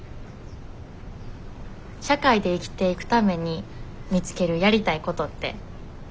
社会で生きていくために見つけるやりたいことって難しいよね。